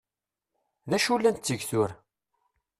D acu la netteg tura?